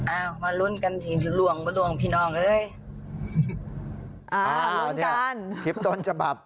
อ้าวนี่คลิปต้นฉบับ